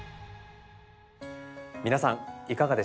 皆さんいかがでしたか？